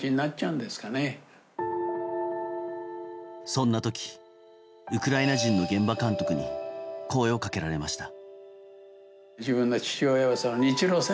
そんな時ウクライナ人の現場監督に声をかけられました。